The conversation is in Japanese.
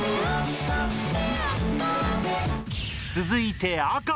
続いて赤。